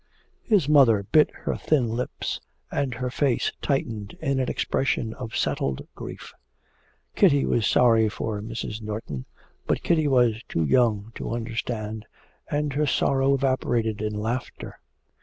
His mother bit her thin lips, and her face tightened in an expression of settled grief. Kitty was sorry for Mrs. Norton, but Kitty was too young to understand, and her sorrow evaporated in laughter.